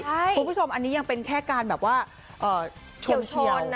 คุณผู้ชมอันนี้ยังเป็นแค่การแบบว่าเชียว